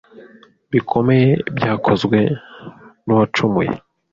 bikomeye byakozwe n’uwacumuye,